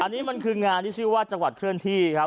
อันนี้มันคืองานที่ชื่อว่าจังหวัดเคลื่อนที่ครับ